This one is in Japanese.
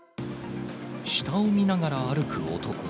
下を見ながら歩く男。